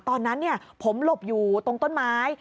ตอนนั้นผมหลบอยู่ตรงต้นไม้